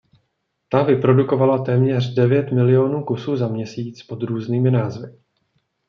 Ta vyprodukovala téměř devět milionů kusů za měsíc pod různými názvy.